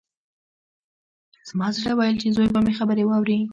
زما زړه ويل چې زوی به مې خبرې واوري.